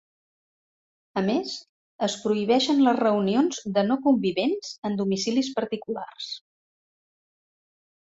A més, es prohibeixen les reunions de no convivents en domicilis particulars.